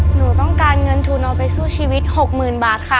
หนูต้องการเงินทุนเอาไปสู้ชีวิต๖๐๐๐บาทค่ะ